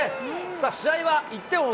試合は１点を追う